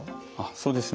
そうですね。